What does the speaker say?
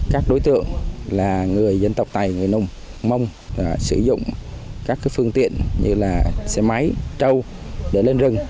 các đối tượng là người dân tộc tài người nông mông sử dụng các phương tiện như xe máy trâu để lên rừng